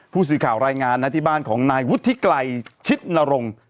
ผู้สื่อข่าวรายงานนะที่บ้านของนายวุฒิไกรชิดนรงค์